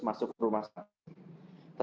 masuk ke rumah sakit